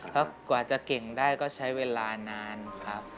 เพราะกว่าจะเก่งได้ก็ใช้เวลานานครับ